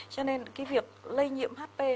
cho nên cái việc lây nhiễm hp